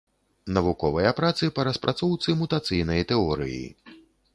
Навуковыя працы па распрацоўцы мутацыйнай тэорыі.